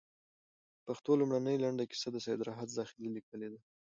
د پښتو لومړۍ لنډه کيسه، سيدراحت زاخيلي ليکلې ده